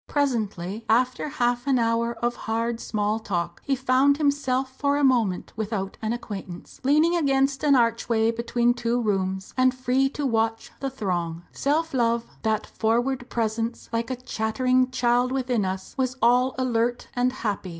Presently, after half an hour of hard small talk, he found himself for a moment without an acquaintance, leaning against an archway between two rooms, and free to watch the throng. Self love, "that froward presence, like a chattering child within us," was all alert and happy.